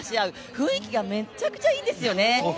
雰囲気がめちゃくちゃいいんですよね、